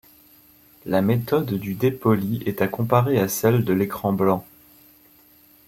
La méthode du dépoli est à comparer à celle de l’écran blanc.